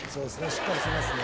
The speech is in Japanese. しっかりしますね。